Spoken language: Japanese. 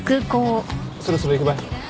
そろそろ行くばい。